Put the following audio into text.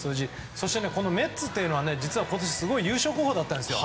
そして、メッツというのは実は、今年優勝候補だったんですよ。